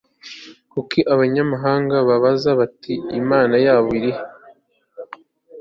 Kuki abanyamahanga babaza bati Imana yabo iri